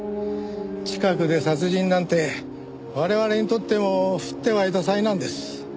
近くで殺人なんて我々にとっても降って湧いた災難です。